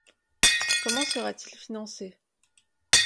Comment sera-t-il financé ?